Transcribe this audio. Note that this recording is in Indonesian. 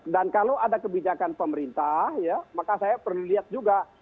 dan kalau ada kebijakan pemerintah maka saya perlu lihat juga